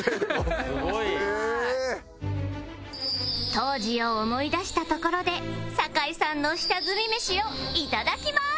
当時を思い出したところで酒井さんの下積みメシを頂きます！